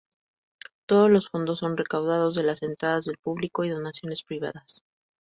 Todos los fondos son recaudados de las entradas del público y donaciones privadas.